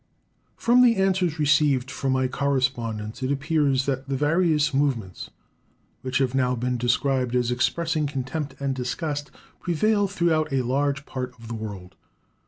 From the answers received from my correspondents it appears that the various movements, which have now been described as expressing contempt and disgust, prevail throughout a large part of the world.